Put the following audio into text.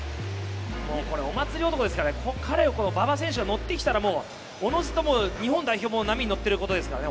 これ、お祭り男ですから彼、馬場選手が乗ってきたらおのずと日本代表も波になっていることですからね。